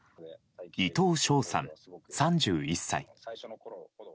伊藤翔さん、３１歳。